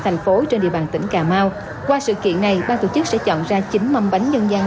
thành phố trên địa bàn tỉnh cà mau qua sự kiện này ban tổ chức sẽ chọn ra chín mâm bánh dân gian